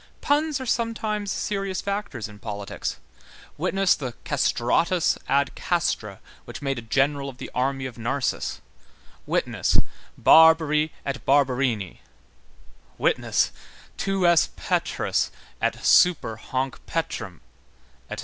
Puns are sometimes serious factors in politics; witness the Castratus ad castra, which made a general of the army of Narses; witness: Barbari et Barberini; witness: Tu es Petrus et super hanc petram, etc.